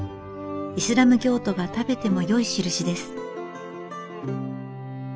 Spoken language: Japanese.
イスラム教徒が食べてもよい印です。